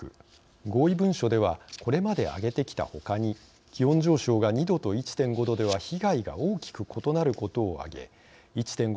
合意文書ではこれまで挙げてきたほかに気温上昇が２℃と１．５℃では被害が大きく異なることを挙げ１．５